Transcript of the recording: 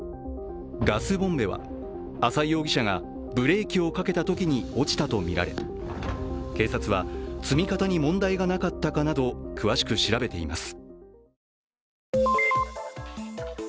ガスボンベは浅井容疑者がブレーキをかけたときに落ちたとみられ警察は積み方に問題がなかったかなど詳しく調べています。